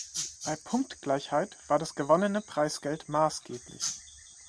Bei Punktgleichheit war das gewonnene Preisgeld maßgeblich.